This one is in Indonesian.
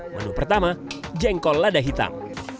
menu pertama jengkol lada hitam